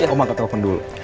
om akan telfon dulu